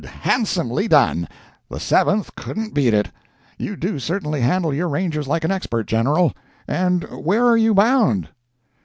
handsomely done! The Seventh couldn't beat it! You do certainly handle your Rangers like an expert, General. And where are you bound?"